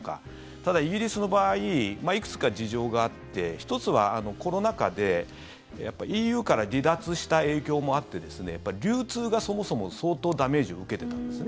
ただ、イギリスの場合いくつか事情があって１つは、コロナ禍でＥＵから離脱した影響もあって流通が、そもそも相当ダメージを受けてたんですね。